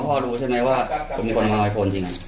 พ่อดูใช่ไหมว่าคุณมีคนเคยมาไลฟ์โฟนที่ไหน